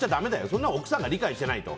そんなの奥さんが理解しないと。